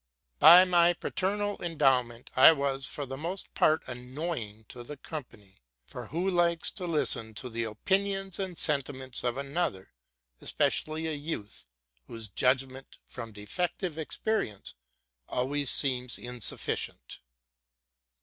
By my paternal endowment I was for the most part annoying to the com pany ; for who likes to listen to the opinions and sentiments of another, especially a youth, whose judgment, from defec tive experience, always seems insufficient?